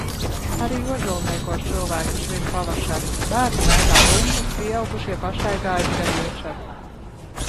Arī Ozolniekos cilvēki svin pavasari – bērni mētā bumbu, pieaugušie pastaigājas gar Iecavu.